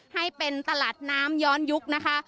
ให้เป็นตลาดน้ำย้อนยุคนะคะ